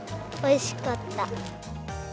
おいしかった。